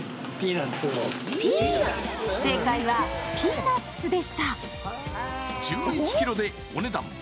正解はピーナッツでした。